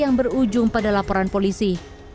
yang berujung pada laporan polisi